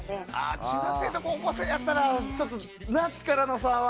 中学生と高校生やったらちょっと力の差は。